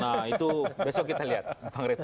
nah itu besok kita lihat